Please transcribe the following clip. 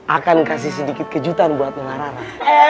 akan kasih sedikit kejutan buat nularra